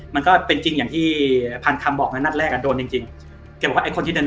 มันก็เป็นจริงที่พันทำบอกนัดแรกอะโดนจริง